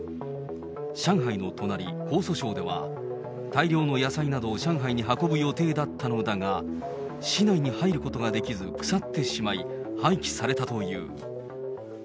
上海の隣、江蘇省では大量の野菜などを上海に運ぶ予定だったのだが、市内に入ることができず腐ってしまい、廃棄されたという。